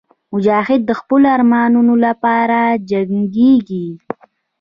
مجاهد د خپلو ارمانونو لپاره جنګېږي.